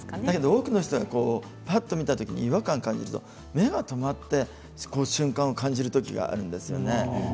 多くの人はぱっと見て違和感を感じると目が止まる瞬間を感じることがあるんですね。